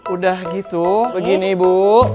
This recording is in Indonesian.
udah gitu begini bu